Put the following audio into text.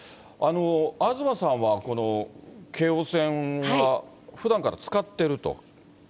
東さんはこの京王線はふだんから使ってると？